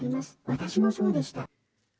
私もそうでした。